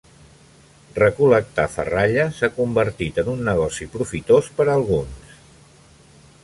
Recol·lectar ferralla s'ha convertit en un negoci profitós per a alguns.